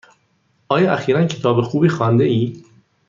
آیا اخیرا کتاب خوبی خوانده ای؟